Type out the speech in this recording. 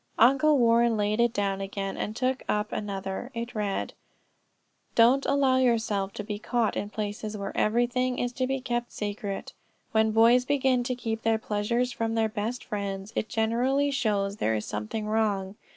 Uncle Warren laid it down again and took up another. It read: "Don't allow yourself to be caught in places where everything is to be kept secret. When boys begin to keep their pleasures from their best friends, it generally shows there is something wrong.